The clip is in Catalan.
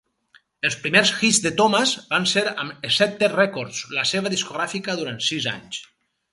Els primers hits de Thomas van ser amb Scepter Records, la seva discogràfica durant sis anys.